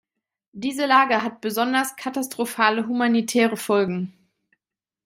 Diese Lage hat besonders katastrophale humanitäre Folgen.